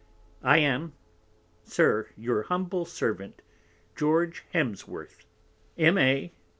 I am, Sir, Your humble Servant, George Hemsworth, _M.A.